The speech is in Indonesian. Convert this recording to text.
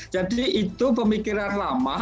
jadi itu pemikiran lama